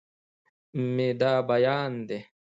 مې دا بيان دی